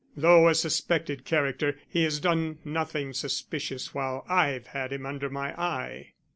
Though a suspected character, he has done nothing suspicious while I've had him under my eye."